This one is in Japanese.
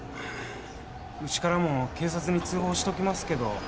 うちからも警察に通報しときますけど。